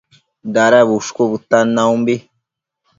Dada bushcu bëtan naumbi